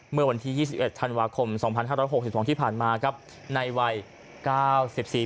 เมื่อวันที่๒๑ธันวาคม๒๕๖๐ของที่ผ่านมาครับในวัย๙๔ปี